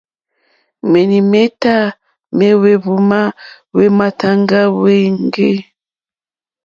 Menimeta me hwehvuma hwe matàŋga hweŋge.